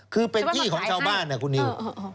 คือเป็นที่ของชาวบ้านนะคุณนิว